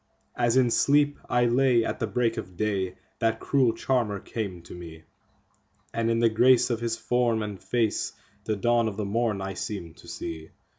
As in sleep I lay at the break of day that cruel charmer came to me, And in the grace of his form and face the dawn of the morn I seemed to see.